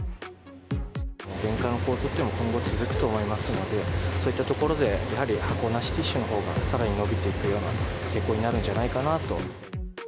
原価の高騰というのも今後続くと思いますので、そういったところで、やはり、箱なしティッシュのほうがさらに伸びていくような傾向になるんじゃないかなと。